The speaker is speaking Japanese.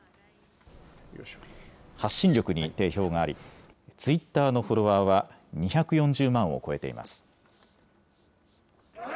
発信力に定評があり、ツイッターのフォロワーは２４０万を超えています。